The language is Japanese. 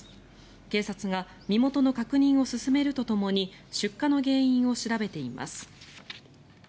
警察が身元の確認を進めるとともに出火の原因を調べています。